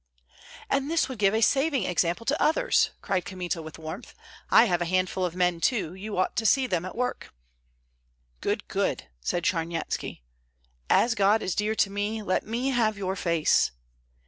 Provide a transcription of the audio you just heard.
"And this would give a saving example to others!" cried Kmita, with warmth. "I have a handful of men too, you ought to see them at work." "Good, good!" said Charnyetski, "as God is dear to me! let me have your face!"